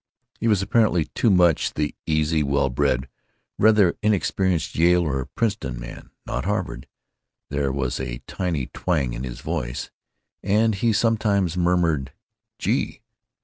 He was apparently too much the easy, well bred, rather inexperienced Yale or Princeton man (not Harvard; there was a tiny twang in his voice, and he sometimes murmured "Gee!")